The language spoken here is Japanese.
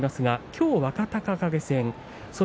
きょうの若隆景戦です。